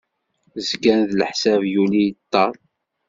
Zgan d leḥsab yuli yeṭṭer.